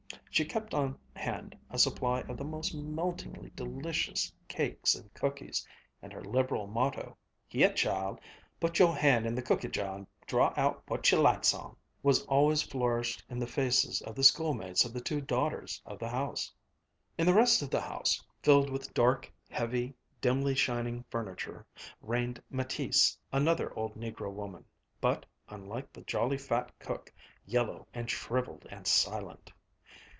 She kept on hand a supply of the most meltingly delicious cakes and cookies, and her liberal motto, "Heah, chile, put yo' han' in the cookie jah and draw out what you lights on!" was always flourished in the faces of the schoolmates of the two daughters of the house. In the rest of the house, filled with dark, heavy, dimly shining furniture, reigned Mattice, another old negro woman, but, unlike the jolly, fat cook, yellow and shriveled and silent.